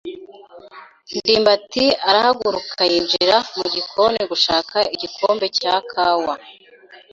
ndimbati arahaguruka yinjira mu gikoni gushaka igikombe cya kawa.